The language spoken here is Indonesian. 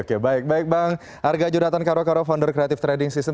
oke baik baik bang arga juratan karokoro founder creative trading system